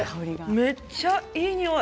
めっちゃいいにおい。